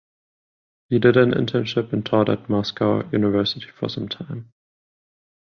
He did an internship and taught at Moscow University for some time.